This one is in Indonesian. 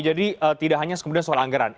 jadi tidak hanya soal anggaran